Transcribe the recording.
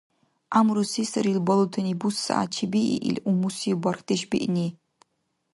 ГӀямру се сарил балутани бусягӀят чебии ил умуси бархьдеш биъни.